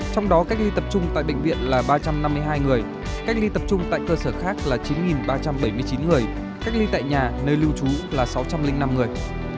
trong đó cách ly tập trung tại bệnh viện là ba trăm năm mươi hai người cách ly tập trung tại cơ sở khác là chín ba trăm bảy mươi chín người cách ly tại nhà nơi lưu trú là sáu trăm linh năm người